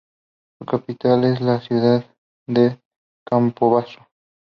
Su capital es la ciudad de Campobasso.